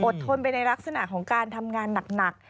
ทนไปในลักษณะของการทำงานหนัก